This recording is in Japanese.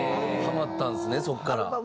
ハマったんですねそこから。